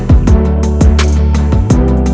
kalah kalian mau kemana